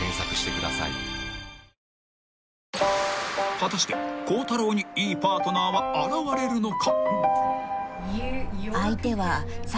［果たして孝太郎にいいパートナーは現れるのか］